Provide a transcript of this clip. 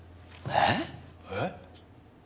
えっ。